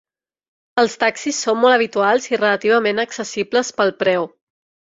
Els taxis són molt habituals i relativament accessibles pel preu.